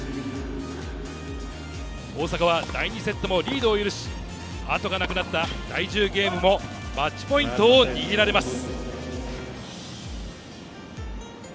大坂は第２セットもリードを許し、後がなくなった第１０ゲームも、マッチポイントを握られます。